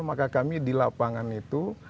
maka kami di lapangan itu